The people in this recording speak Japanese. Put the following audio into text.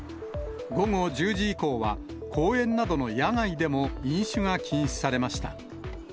午後１０時以降は、公園などの野外でも飲酒が禁止されました。